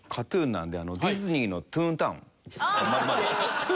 なんで？